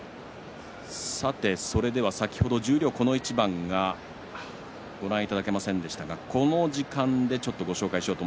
先ほど、十両この一番がご覧いただけませんでしたがこの時間でご紹介しましょう。